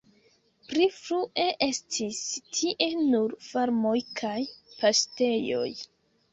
Pli frue estis tie nur farmoj kaj paŝtejoj.